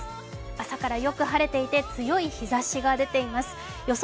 朝からよく晴れていて強い日ざしが出ています予想